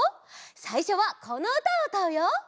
さいしょはこのうたをうたうよ！